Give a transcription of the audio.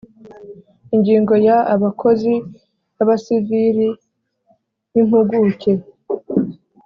Ingingo ya abakozi b abasivili b impuguke